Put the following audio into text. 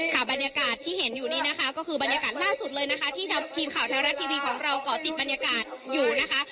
บรรยากาศที่เห็นอยู่นี่นะคะก็คือบรรยากาศล่าสุดเลยนะคะที่ทีมข่าวไทยรัฐทีวีของเราก่อติดบรรยากาศอยู่นะคะ